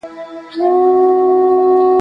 باچا خان